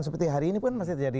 seperti hari ini pun masih terjadi